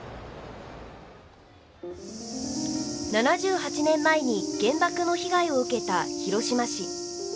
７８年前に原爆の被害を受けた広島市。